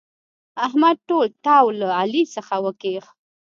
احمد ټول تاو له علي څخه وکيښ.